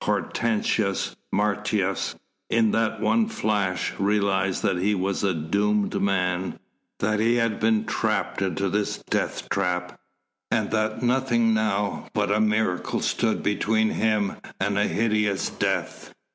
Hortensius Martius, in that one flash, realised that he was a doomed man, that he had been trapped into this death trap, and that nothing now but a miracle stood between him and a hideous death.